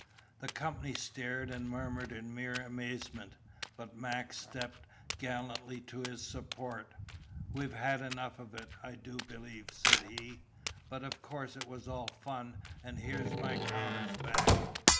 The company stared and murmured in mere amazement; but Mac stepped gallantly to his support. "We've had enough of it, I do believe," said he. "But of course it was all fun, and here's my counters back.